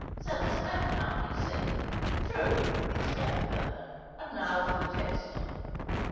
So the smoke can't be seen." "True!" exclaimed Vernon. "And now for the test."